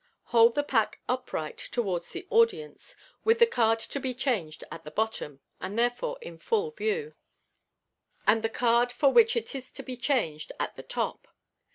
Hold the pack upright towards the audience, with the card to be changed at the bottom (and therefore in full view), and the card for 3o MODERN MAGIC. which it is to be changed at the top.